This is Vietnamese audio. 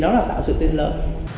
thì nó là tạo sự tiền lớn